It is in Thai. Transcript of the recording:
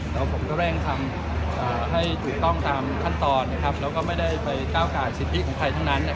แล้วผมก็เร่งทำให้ถูกต้องตามขั้นตอนนะครับแล้วก็ไม่ได้ไปก้าวกายสิทธิของใครทั้งนั้น